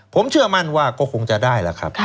ผมเชื่อมั่นว่าก็คงจะได้แล้วครับ